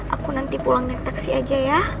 aku nanti pulang naik taksi aja ya